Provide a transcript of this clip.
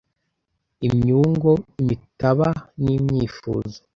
imyungo, imitaba n’imyifuzo